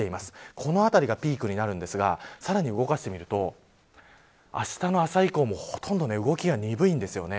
このあたりがピークになるんですがさらに動かしてみるとあしたの朝以降もほとんど動きが鈍いです。